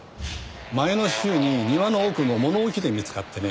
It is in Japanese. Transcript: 前の週に庭の奧の物置で見つかってね。